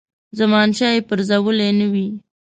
زمانشاه یې پرزولی نه وي.